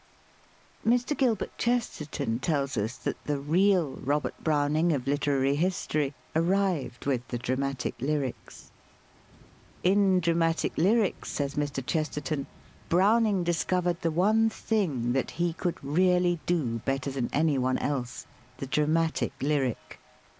Mr. Gilbert Chesterton tells us that the real Robert Browning of literary history arrived with the Dramatic Lyrics. "In Dramatic Lyrics," says Mr. Chesterton, "Browning discovered the one thing that he could really do better than any one else the dramatic lyric.